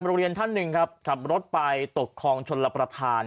โรงเรียนท่านหนึ่งครับขับรถไปตกคลองชนรับประทาน